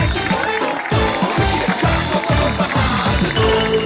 คน๓หลับแล้ว